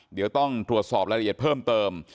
เดี๋ยวต้องตรวจสอบรายละเอียดเพิ่มเติม